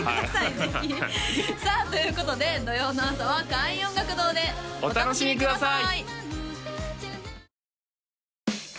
ぜひさあということで土曜の朝は開運音楽堂でお楽しみください！